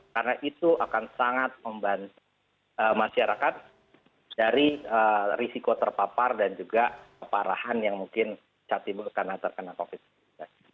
karena itu akan sangat membantu masyarakat dari risiko terpapar dan juga keparahan yang mungkin terkena covid sembilan belas